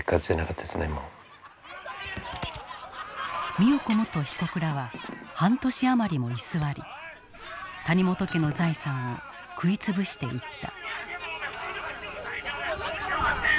美代子元被告らは半年余りも居座り谷本家の財産を食い潰していった。